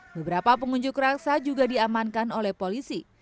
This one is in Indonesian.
beberapa pengunjuk rasa juga diamankan oleh polisi